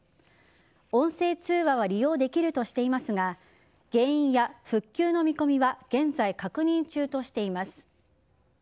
音声通話は利用できるとしていますが原因や復旧の見込みは現在、確認中としています。